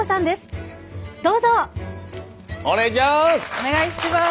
お願いします！